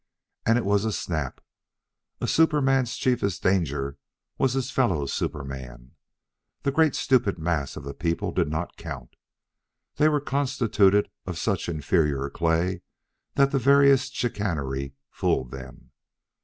And it was a snap. A superman's chiefest danger was his fellow superman. The great stupid mass of the people did not count. They were constituted of such inferior clay that the veriest chicanery fooled them.